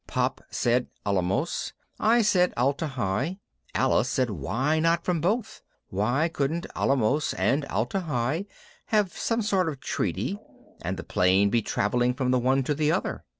Pop said Alamos, I said Atla Hi, Alice said why not from both, why couldn't Alamos and Atla Hi have some sort of treaty and the plane be traveling from the one to the other.